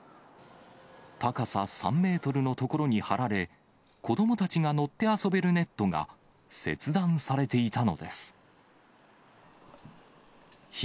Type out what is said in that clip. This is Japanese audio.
高さ３メートルの所に張られ、子どもたちが乗って遊べるネットが切断されていたのです。